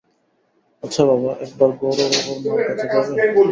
আচ্ছা বাবা, একবার গৌরবাবুর মার কাছে যাব?